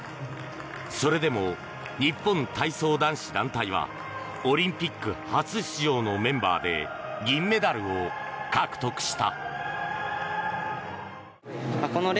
それでも日本体操男子団体はオリンピック初出場のメンバーで銀メダルを獲得した。